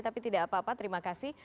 tapi tidak apa apa terima kasih